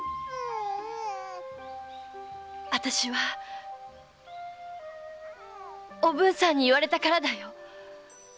あたしはおぶんさんに言われたからだよ。